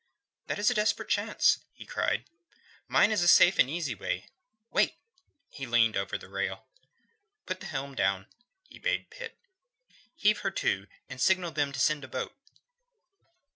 "That is a desperate chance," he cried. "Mine is the safe and easy way. Wait!" He leaned over the rail. "Put the helm down," he bade Pitt. "Heave her to, and signal to them to send a boat."